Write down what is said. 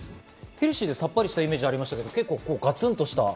ヘルシーでさっぱりしたイメージがありますが結構ガツンとした。